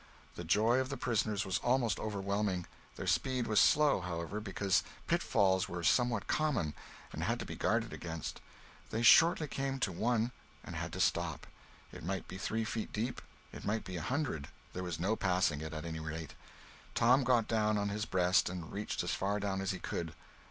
The joy of the prisoners was almost overwhelming. Their speed was slow, however, because pitfalls were somewhat common, and had to be guarded against. They shortly came to one and had to stop. It might be three feet deep, it might be a hundred—there was no passing it at any rate. Tom got down on his breast and reached as far down as he could.